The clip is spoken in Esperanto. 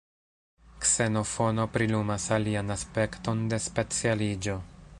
Ksenofono prilumas alian aspekton de specialiĝo.